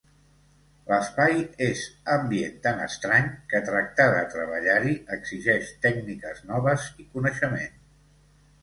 L'espai és ambient tan estrany que tractar de treballar-hi exigeix tècniques noves i coneixement.